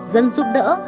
dân giúp đỡ